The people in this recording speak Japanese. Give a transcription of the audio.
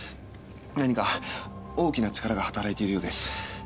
何か大きな力が働いているようです。